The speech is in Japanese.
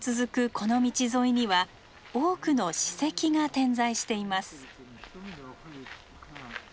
この道沿いには多くの史跡が点在しています。